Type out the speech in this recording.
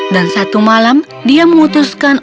dan satu malam dia memutuskan